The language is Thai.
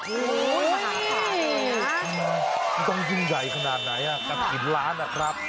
อุ้ยยยยยต้องยืนใหญ่ขนาดไหนอ่ะกะถิ่นล้านน่ะครับ